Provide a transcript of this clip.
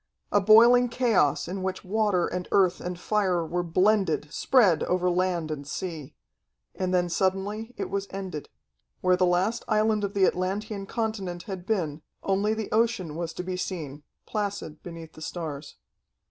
A boiling chaos in which water and earth and fire were blended, spread over land and sea. And then suddenly it was ended. Where the last island of the Atlantean continent had been, only the ocean was to be seen, placid beneath the stars.